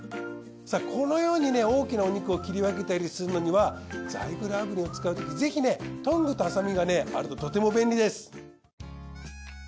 このように大きなお肉を切り分けたりするのにはザイグル炙輪を使うときぜひトングとハサミがあるととても便利です。